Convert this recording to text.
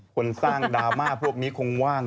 คนสร้างดราม่าพวกนี้คงว่าง